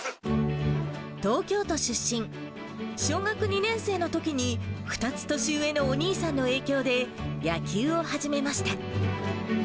東京都出身、小学２年生のときに、２つ年上のお兄さんの影響で、野球を始めました。